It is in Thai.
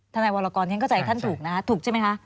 นายวรกรฉันเข้าใจท่านถูกนะคะถูกใช่ไหมคะ